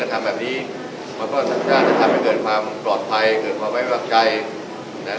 ว่าทำอะไรบ้างไม่ว่าจะเรียกของร้านค่าค่าปลีกค่าย่อยอะไรต่าง